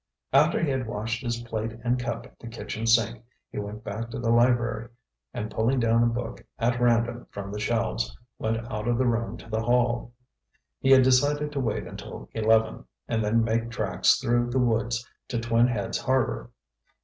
After he had washed his plate and cup at the kitchen sink, he went back to the library, and pulling down a book at random from the shelves, went out of the room to the hall. He had decided to wait until eleven, and then make tracks through the woods to Twin Heads Harbor.